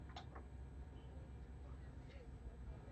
Joseph Franklin Rutherford hizo lo mismo.